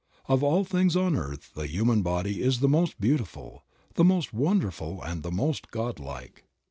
Of all things on earth the human body is the most beautiful, the most wonderful and the most God like.